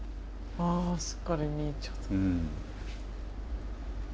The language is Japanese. あすっかり見入っちゃった。